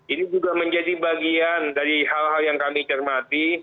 ini juga menjadi bagian dari hal hal yang kami cermati